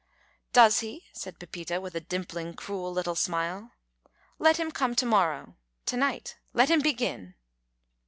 "Does he?" said Pepita, with a dimpling cruel little smile. "Let him come to morrow to night. Let him begin."